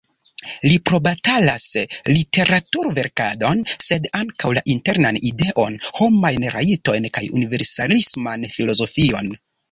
Li probatalas literaturverkadon, sed ankaŭ la Internan Ideon, homajn rajtojn, kaj universalisman filozofion.